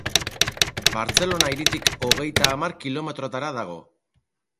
Bartzelona hiritik hogeita hamar kilometrotara dago.